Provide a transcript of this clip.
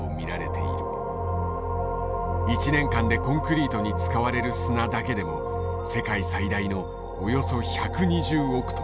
１年間でコンクリートに使われる砂だけでも世界最大のおよそ１２０億トン。